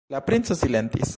La princo silentis.